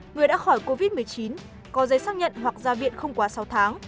người đã khỏi covid một mươi chín có giấy xác nhận hoặc ra viện không quá sáu tháng